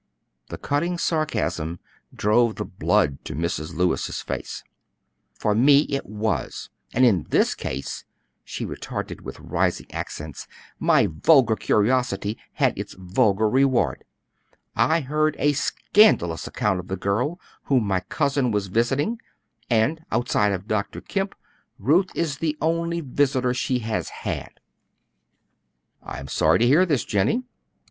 The cutting sarcasm drove the blood to Mrs. Lewis's face. "For me it was; and in this case," she retorted with rising accents, "my vulgar curiosity had its vulgar reward. I heard a scandalous account of the girl whom my cousin was visiting, and, outside of Dr. Kemp, Ruth is the only visitor she has had." "I am sorry to hear this, Jennie."